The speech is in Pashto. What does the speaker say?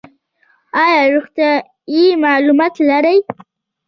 ایا روغتیایی معلومات لرئ؟